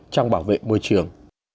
trong bảo vệ môi trường